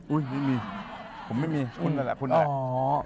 อุ้ยไม่มีผมไม่มีคุณแหละคุณแหละ